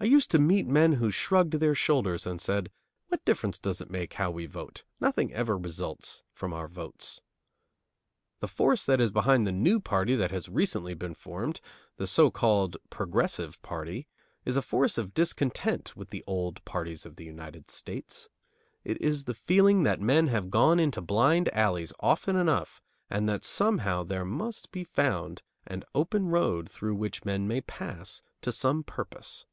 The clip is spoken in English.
I used to meet men who shrugged their shoulders and said: "What difference does it make how we vote? Nothing ever results from our votes." The force that is behind the new party that has recently been formed, the so called "Progressive Party," is a force of discontent with the old parties of the United States. It is the feeling that men have gone into blind alleys often enough, and that somehow there must be found an open road through which men may pass to some purpose.